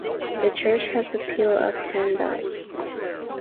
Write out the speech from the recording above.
The church has a peal of ten bells.